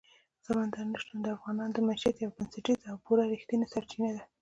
سمندر نه شتون د افغانانو د معیشت یوه بنسټیزه او پوره رښتینې سرچینه ده.